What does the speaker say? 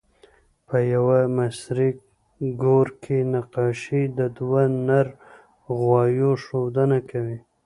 په یوه مصري ګور کې نقاشي د دوه نر غوایو ښودنه کوي.